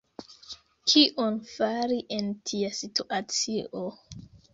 Kion fari en tia situacio?